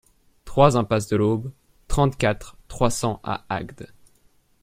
trois impasse de l'Aube, trente-quatre, trois cents à Agde